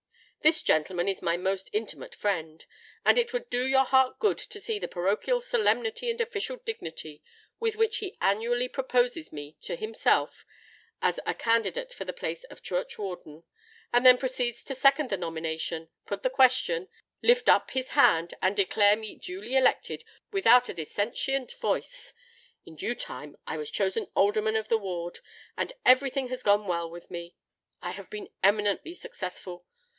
This gentleman is my most intimate friend; and it would do your heart good to see the parochial solemnity and official dignity with which he annually proposes me to himself as a candidate for the place of Churchwarden, and then proceeds to second the nomination, put the question, lift up his hand, and declare me duly elected without a dissentient voice. In due time I was chosen Alderman of the Ward; and every thing has gone well with me. I have been eminently successful.